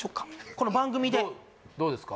この番組でどうですか？